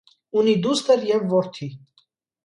Ունի դուստր և որդի։